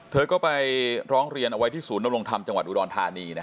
เธอก็ไปร้องเรียนเอาไว้ที่ศูนย์นำรงธรรมจังหวัดอุดรธานี